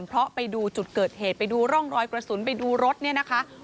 เพราะไปดูจุดเกิดเหตุไปดูร่องรอยกระสุนไปดูรถเนี่ยนะคะ